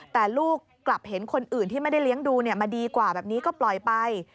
แต่ลูกกลับเห็นคนอื่นที่ไม่ได้เลี้ยงดูมาดีกว่าแบบนี้ก็ปล่อยไป